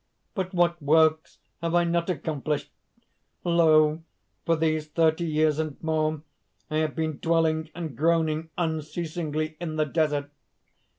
But what works have I not accomplished Lo! for these thirty years and more I have been dwelling and groaning unceasingly in the desert!